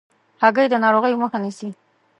هګۍ د ناروغیو مخه نیسي.